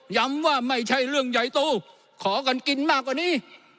ย้ำว่าไม่ใช่เรื่องใหญ่โตขอกันกินมากกว่านี้